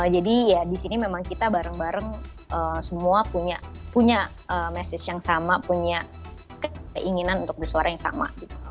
jadi ya di sini memang kita bareng bareng semua punya message yang sama punya keinginan untuk bersuara yang sama